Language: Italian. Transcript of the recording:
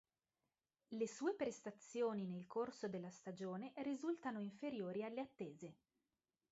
Le sue prestazioni nel corso della stagione risultano inferiori alle attese.